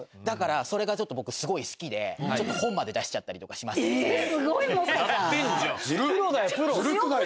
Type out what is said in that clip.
だからそれがちょっと僕すごい好きで本まで出しちゃったりとかしましてですね。